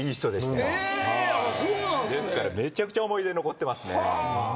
ですからめちゃくちゃ思い出に残ってますね。